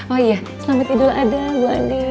oh iya selamat tidur ada bu andi